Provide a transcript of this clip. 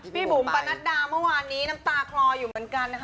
พี่บุ๋มประณะดาเมื่อวานนี้น้ำตาครอว์อยู่เหมือนกัน